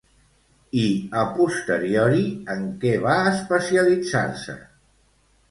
I a posteriori en què va especialitzar-se?